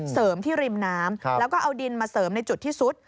เสริมที่ริมน้ำแล้วก็เอาดินมาเสริมในจุดที่ซุด